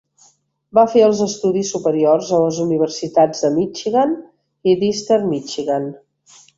Va fer els estudis superiors a les universitat de Michigan i d'Eastern Michigan.